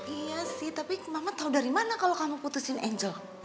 iya sih tapi mama tahu dari mana kalau kamu putusin angel